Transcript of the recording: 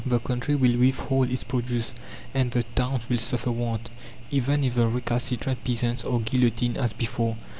The country will withhold its produce, and the towns will suffer want, even if the recalcitrant peasants are guillotined as before.